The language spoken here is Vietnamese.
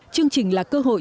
chương trình là cơ hội